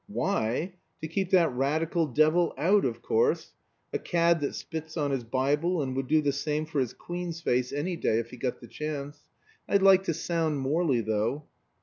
"Why? To keep that radical devil out, of course; a cad that spits on his Bible, and would do the same for his Queen's face any day if he got the chance, I'd like to sound Morley, though."